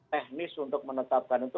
teknis untuk menetapkan itu